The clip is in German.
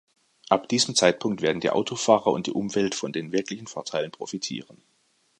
Ab diesem Zeitpunkt werden die Autofahrer und die Umwelt von den wirklichen Vorteilen profitieren.